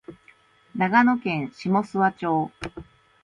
長野県下諏訪町